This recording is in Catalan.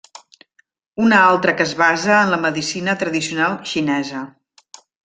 Una altra que es basa en la medicina tradicional xinesa.